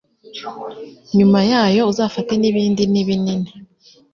nyuma yayo uzafate nibindi nibini .